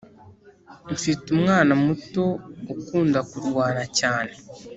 Mfite umwana muto ukunda kurwana cyane